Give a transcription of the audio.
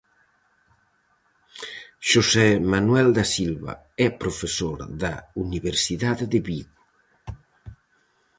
Xosé Manuel Dasilva é profesor da Universidade de Vigo.